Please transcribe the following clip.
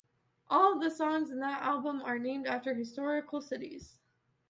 All of the songs in that album are named after historical cities.